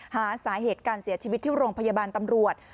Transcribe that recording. หาสาเหตุการเสียชีวิตที่โรงพยาบาลตำรวจ